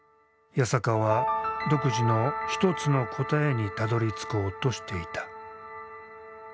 八坂は独自の一つの答えにたどりつこうとしていた。